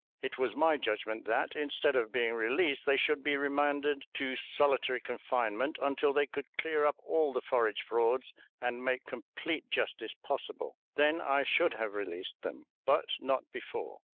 It was my judgment that, instead of being released, they should be remanded to solitary confinement until they could clear up all the forage frauds and make complete justice possible. Then I should have released them, but not before.